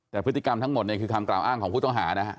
แต่พฤติกรรมทั้งหมดเนี่ยคือคำกล่าวอ้างของผู้ต้องหานะฮะ